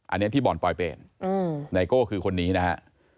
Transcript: อันนี้ที่บ่อนปลอยเปญไนโก้คือคนนี้นะฮะ